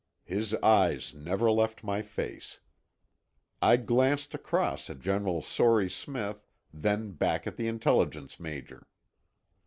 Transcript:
His eyes never left my face. I glanced across at General Sory Smith, then back at the intelligence major.